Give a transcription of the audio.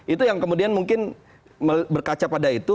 itu yang kemudian mungkin berkaca pada itu